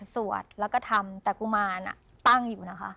สวดแล้วก็ทำแต่กุมารตั้งอยู่นะคะ